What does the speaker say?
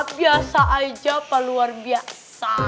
biasa aja pak luar biasa